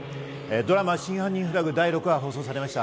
ドラマ『真犯人フラグ』第６話が放送されました。